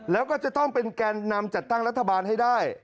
แล้วก็จะต้องเป็นแกนนำจัดตั้งรัฐบาลให้ได้